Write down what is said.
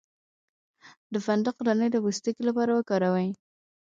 د فندق دانه د پوستکي لپاره وکاروئ